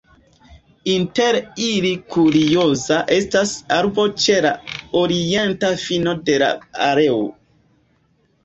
Inter ili kurioza estas arbo ĉe la orienta fino de la aleo.